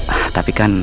ah tapi kan